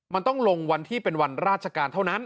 มันต้องลงวันที่เป็นวันราชการเท่านั้น